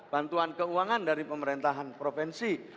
bantuan keuangan dari pemerintahan provinsi